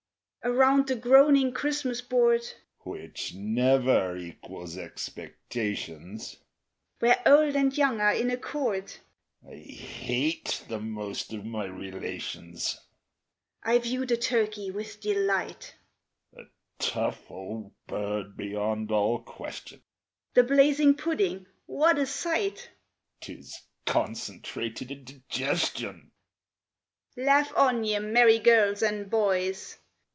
_) Around the groaning Christmas board, (Which never equals expectations,) Where old and young are in accord (I hate the most of my relations!) I view the turkey with delight, (A tough old bird beyond all question!) The blazing pudding what a sight! ('Tis concentrated indigestion!) Laugh on, ye merry girls and boys!